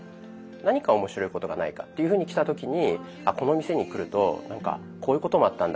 何か面白いことがないかっていうふうに来た時にこの店に来るとこういうこともあったんだ